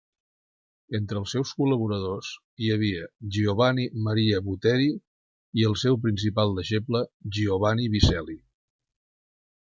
Entre els seus col·laboradors hi havia Giovanni Maria Butteri i el seu principal deixeble, Giovanni Bizzelli.